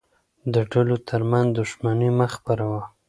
د ډلو ترمنځ دښمني مه خپروه.